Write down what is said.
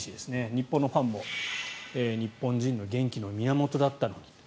日本のファンも日本人の元気の源だったのにと。